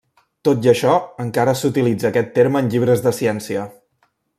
Tot i això, encara s'utilitza aquest terme en llibres de ciència.